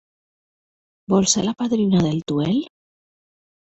Vols ser la padrina del duel?